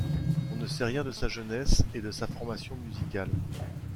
On ne sait rien de sa jeunesse et de sa formation musicale.